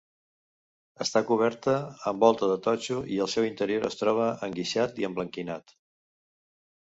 Està coberta amb volta de totxo, i el seu interior es troba enguixat i emblanquinat.